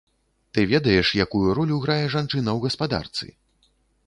Ты ведаеш, якую ролю грае жанчына ў гаспадарцы?